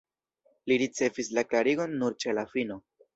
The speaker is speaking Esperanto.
Li ricevis la klarigon nur ĉe la fino.